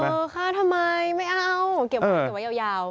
ฆ่าทำไมไม่เอาเก็บไว้เยา